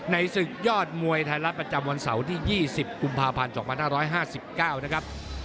ศึกยอดมวยไทยรัฐประจำวันเสาร์ที่๒๐กุมภาพันธ์๒๕๕๙นะครับ